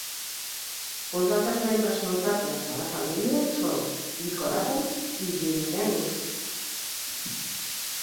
Uns altres membres notables de la família són "Lycodapus" i "Gymnelus".